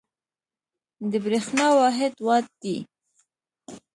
د برېښنا واحد وات دی.